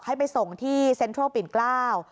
ให้ไปส่งที่เซ็นทรัลปิ่นเกล้า